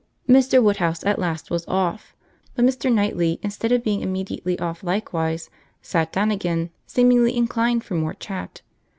Mr. Woodhouse at last was off; but Mr. Knightley, instead of being immediately off likewise, sat down again, seemingly inclined for more chat.